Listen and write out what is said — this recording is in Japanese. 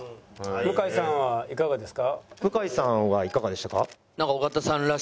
「向井さんはいかがですか？」。